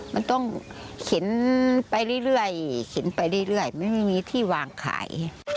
มันต้องขินไปเรื่อยเรื่อยขินไปเรื่อยเรื่อยไม่มีที่วางขาย